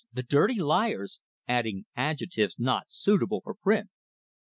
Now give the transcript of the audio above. The dirty liars!" adding adjectives not suitable for print.